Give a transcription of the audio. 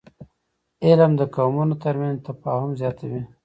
علم د قومونو ترمنځ تفاهم زیاتوي